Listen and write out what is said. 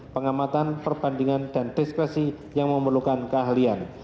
pengamatan perbandingan dan diskresi yang memerlukan keahlian